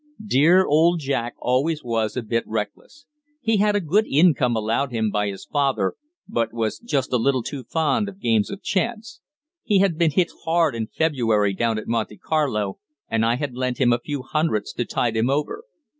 Dear old Jack always was a bit reckless. He had a good income allowed him by his father, but was just a little too fond of games of chance. He had been hard hit in February down at Monte Carlo, and I had lent him a few hundreds to tide him over.